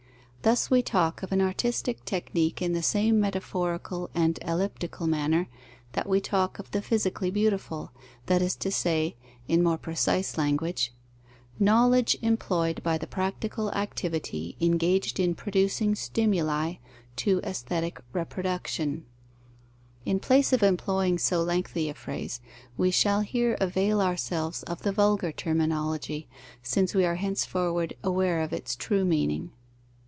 Thus we talk of an artistic technique in the same metaphorical and elliptic manner that we talk of the physically beautiful, that is to say (in more precise language), knowledge employed by the practical activity engaged in producing stimuli to aesthetic reproduction. In place of employing so lengthy a phrase, we shall here avail ourselves of the vulgar terminology, since we are henceforward aware of its true meaning.